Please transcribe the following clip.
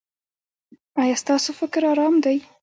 ایا ستاسو فکر ارام دی؟